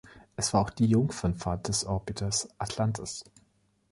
Es war auch die Jungfernfahrt des Orbiters „Atlantis“.